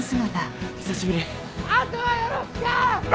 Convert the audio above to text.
あとはよろしく！